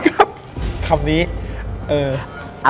ครับคำนี้เออ